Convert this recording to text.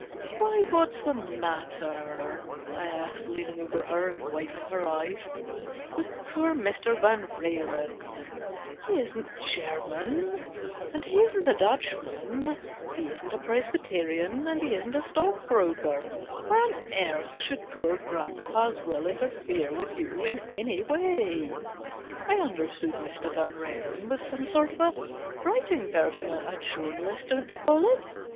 " Why, what's the matter," I asked, leaning over her and wiping her eyes, " with poor Mr. Van renen ? He isn't a German, and he isn't a Dutchman ; he isn't a Presbyterian, and he isn't a stockbroker. Why on earth should poor grandpapa's will interfere with you in any way ? I understood Mr. Vanrenen was some sort of a writing person a journalist, don't they call it